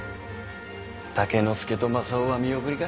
武之助と正雄は見送りか？